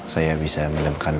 saya bisa melihatkan haknya